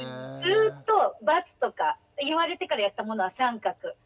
ずっと×とか言われてからやったものは三角。